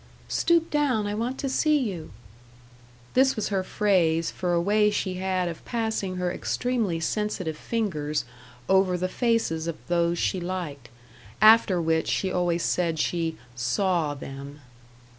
"Stoop down; I want to see you." This was her phrase for a way she had of passing her extremely sensitive fingers over the faces of those she liked. After which she always said she "saw" them.